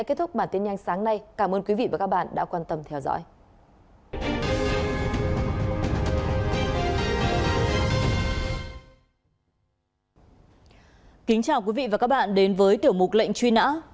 các bạn đến với tiểu mục lệnh truy nã